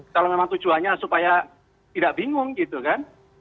kalau memang tujuannya supaya tidak bingung gitu kan